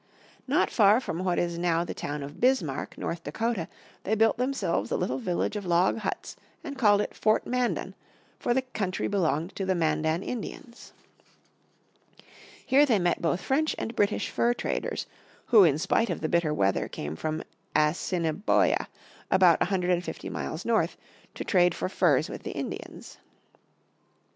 Not far from what is now the town of Bismarck, North Dakota, they built themselves a little village of log huts and called it Fort Mandan, for the country belonged to the Mandan Indians. Here they met both French and British fur traders, who in spite of the bitter weather came from Assiniboia, about a hundred and fifty miles north, to trade for furs with the Indians.